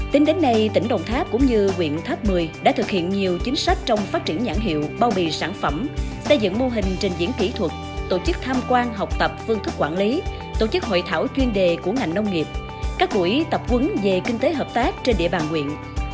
tính đến nay tỉnh đồng tháp cũng như quyện tháp một mươi đã thực hiện nhiều chính sách trong phát triển nhãn hiệu bao bì sản phẩm xây dựng mô hình trình diễn kỹ thuật tổ chức tham quan học tập phương thức quản lý tổ chức hội thảo chuyên đề của ngành nông nghiệp các buổi tập quấn về kinh tế hợp tác trên địa bàn huyện